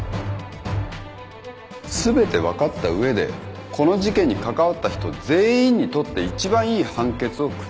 全て分かった上でこの事件に関わった人全員にとって一番いい判決を下したい。